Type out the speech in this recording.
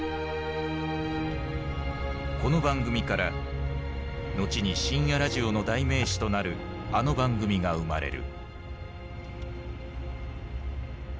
この番組から後に深夜ラジオの代名詞となるあの番組が生まれる。